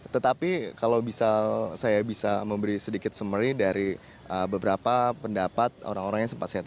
tetapi kalau bisa saya bisa memberi sedikit summary dari beberapa pendapat orang orang yang sempat saya tanya